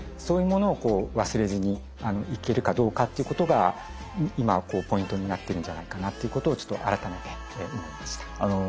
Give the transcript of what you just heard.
そういうものをこう忘れずにいけるかどうかということが今ポイントになってるんじゃないかなということを改めて思いました。